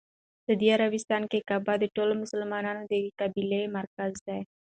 سعودي عربستان کې کعبه د ټولو مسلمانانو د قبله مرکز دی.